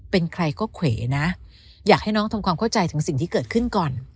เป็นใครก็เขวนะอยากให้น้องทำความเข้าใจถึงสิ่งที่เกิดขึ้นก่อน